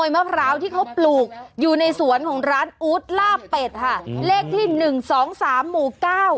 มะพร้าวที่เขาปลูกอยู่ในสวนของร้านอู๊ดล่าเป็ดค่ะเลขที่หนึ่งสองสามหมู่เก้า